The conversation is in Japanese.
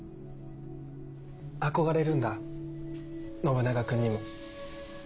憧れるんだ信長君にも。